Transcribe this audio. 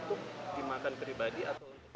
untuk dimakan pribadi atau untuk